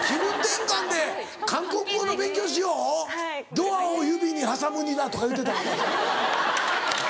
ドアを指に挟むニダとか言うてた？